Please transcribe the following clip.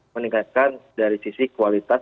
meningkatkan dari sisi kualitas